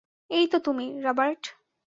এই তো তুমি, রবার্ট।